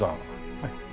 はい。